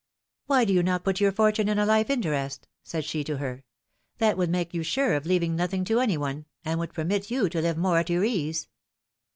Why do you not put your fortune in a life interest?'^ said she to her ; that would make you sure of leaving nothing to any one, and would permit you to live more at your ease."